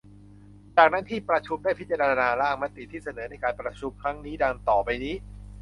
จากนั้นที่ประชุมได้พิจารณาร่างมติที่เสนอในการประชุมครั้งนี้ ดังต่อไปนี้